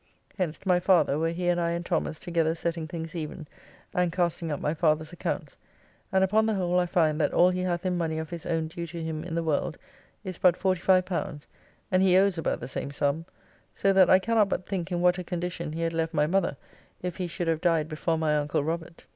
Hence to my father, where he and I and Thomas together setting things even, and casting up my father's accounts, and upon the whole I find that all he hath in money of his own due to him in the world is but L45, and he owes about the same sum: so that I cannot but think in what a condition he had left my mother if he should have died before my uncle Robert.